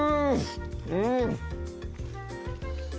うん！